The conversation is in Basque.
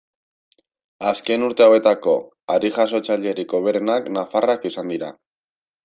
Azken urte hauetako harri-jasotzailerik hoberenak nafarrak izan dira.